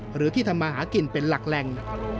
หรือที่ทำมาหากินเป็นหลักแหล่ง